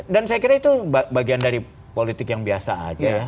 dan saya kira itu bagian dari politik yang biasa aja